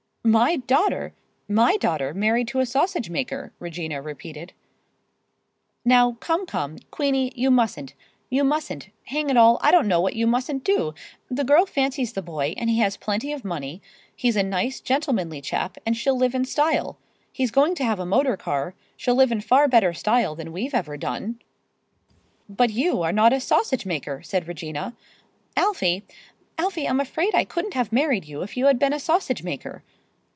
"My daughter—my daughter married to a sausage maker!" Regina repeated. "Now, come, come, Queenie, you mustn't—you mustn't—hang it all, I don't know what you mustn't do! The girl fancies the boy, and he has plenty of money. He's a nice, gentlemanly chap, and she'll live in style. He's going to have a motor car; she'll live in far better style than we've ever done." "But you are not a sausage maker," said Regina. "Alfie, Alfie, I'm afraid I couldn't have married you if you had been a sausage maker."